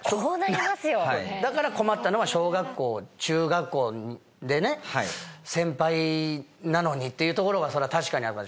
だから困ったのは小学校中学校でね先輩なのにっていうところは確かに。